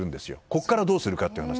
ここからどうするのか。